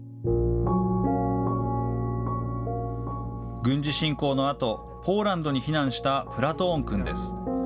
軍事侵攻のあと、ポーランドに避難したプラトーン君です。